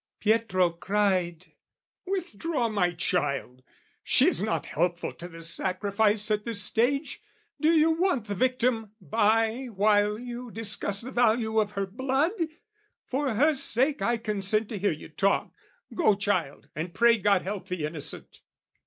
Pietro cried "Withdraw, my child! "She is not helpful to the sacrifice "At this stage, do you want the victim by "While you discuss the value of her blood? "For her sake, I consent to hear you talk: "Go, child, and pray God help the innocent!"